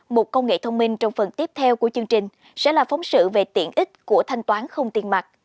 một công nghệ thông minh trong phần tiếp theo của chương trình sẽ là phóng sự về tiện ích của thanh toán không tiền mặt